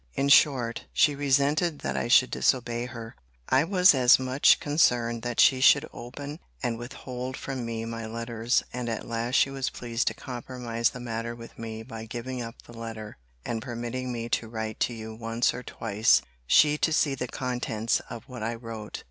] In short, she resented that I should disobey her: I was as much concerned that she should open and withhold from me my letters: and at last she was pleased to compromise the matter with me by giving up the letter, and permitting me to write to you once or twice: she to see the contents of what I wrote.